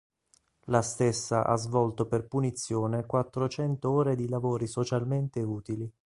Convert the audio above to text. La stessa ha svolto per punizione quattrocento ore di lavori socialmente utili.